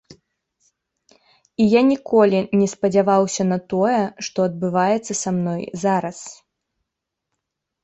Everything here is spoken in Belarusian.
І я ніколі не спадзяваўся на тое, што адбываецца са мной зараз.